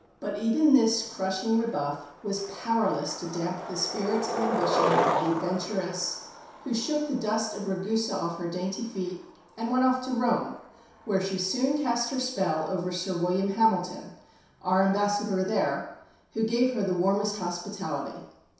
But even this crushing rebuff was powerless to damp the spirits and ambition of the "adventuress," who shook the dust of Ragusa off her dainty feet, and went off to Rome, where she soon cast her spell over Sir William Hamilton, our Ambassador there, who gave her the warmest hospitality.